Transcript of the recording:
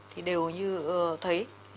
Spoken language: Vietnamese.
thì đều như thấy